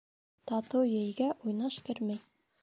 Татыу ейгә уйнаш кермәй.